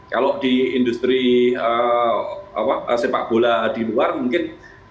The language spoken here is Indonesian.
kalau di industri sepak bola di luar mungkin